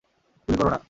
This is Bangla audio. গুলি কোরো না।